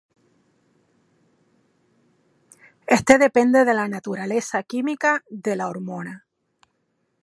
Este depende de la naturaleza química de la hormona.